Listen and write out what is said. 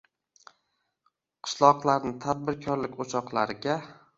– qishloqlarni tadbirkorlik o‘choqlariga